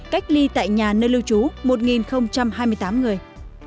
cách ly tại nhà nơi lưu trú một hai mươi tám người